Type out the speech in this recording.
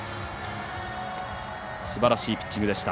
すばらしいピッチングでした。